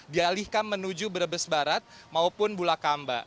dialihkan menuju brebes barat maupun bulakamba